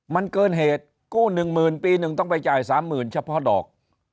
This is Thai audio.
มันเกินเหตุกู้หนึ่งหมื่นปีหนึ่งต้องไปจ่ายสามหมื่นเฉพาะดอก